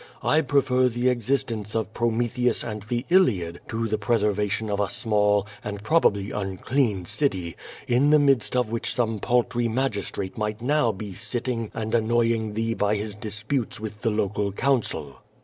I prefer the existence of Prometheus and the Iliad to the preservation of a small and probably unclean city, in the midst of which some paltry magistrate might now be sitting and annoying thee by his disputes with the local council."